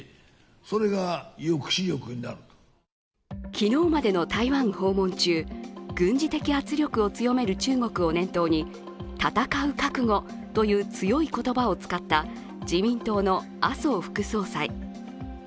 昨日までの台湾訪問中軍事的圧力を強める中国を念頭に戦う覚悟という強い言葉を使った自民党の麻生副総裁。